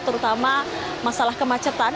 terutama masalah kemacetan